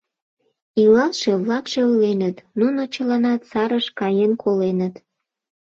Илалше-влакше ойленыт: «Нуно чыланат сарыш каен коленыт».